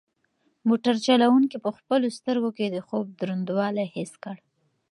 موټر چلونکي په خپلو سترګو کې د خوب دروندوالی حس کړ.